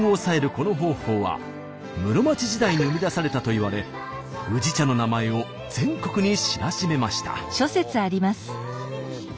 この方法は室町時代に生み出されたといわれ宇治茶の名前を全国に知らしめました。